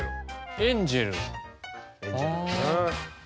エンジェルだな。